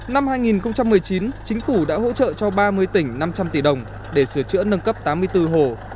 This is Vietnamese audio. năm hai nghìn một mươi chín chính phủ đã hỗ trợ cho ba mươi tỉnh năm trăm linh tỷ đồng để sửa chữa nâng cấp tám mươi bốn hồ